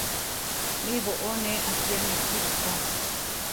Mí boʼó ne atíame jípi ko.